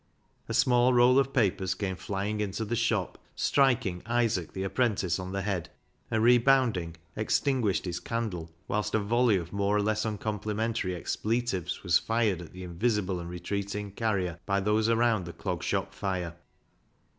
A small roll of papers came flying into the shop, striking Isaac, the apprentice, on the head, and rebound ing, extinguished his candle, whilst a volley of more or less uncomplimentary expletives was fired at the invisible and retreating carrier by those around the Clog Shop fire.